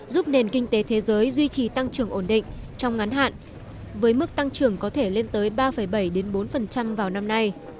giúp nền kinh tế thế giới duy trì tăng trưởng ổn định trong ngắn hạn với mức tăng trưởng có thể lên tới ba bảy bốn vào năm nay